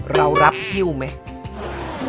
เรารับฮิ้วไหม